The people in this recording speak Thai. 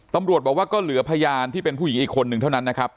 ตำรวจบอกว่าก็เหลือพยานที่เป็นผู้หญิงอีกคนนึงเท่านั้นนะครับ